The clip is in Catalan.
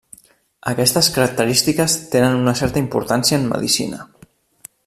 Aquestes característiques tenen una certa importància en medicina.